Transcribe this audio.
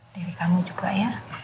diri kamu juga ya